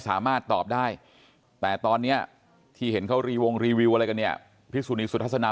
สามารถตอบได้แต่ตอนนี้ที่เห็นเขารีวงรีวิวอะไรกันเนี่ยพิสุนีสุทัศนา